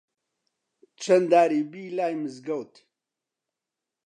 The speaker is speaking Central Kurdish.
چەن داری بی لای مزگەوت